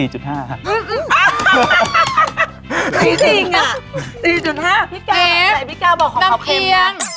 นี่จริงอะ๔๕ค่ะพี่ก้าวบอกของเขาเค็มมากเต็มน้ำเคียง